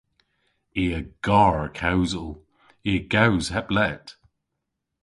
I a gar kewsel. I a gews heb lett.